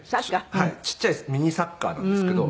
ちっちゃいミニサッカーなんですけど。